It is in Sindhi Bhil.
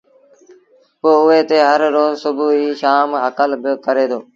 پو اُئي تي هر روز سڀو ائيٚݩ شآم هڪل با ڪري دو